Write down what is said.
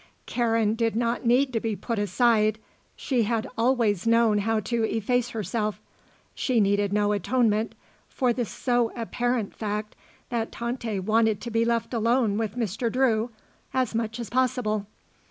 Karen did not need to be put aside. She had always known how to efface herself; she needed no atonement for the so apparent fact that Tante wanted to be left alone with Mr. Drew as much as possible.